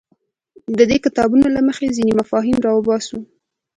د دې کتابونو له مخې ځینې مفاهیم راوباسو.